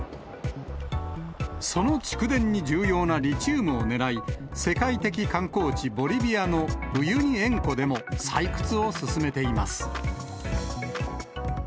その蓄電に重要なリチウムをねらい、世界的観光地、ボリビアのウユニ塩湖でも採掘を進めています。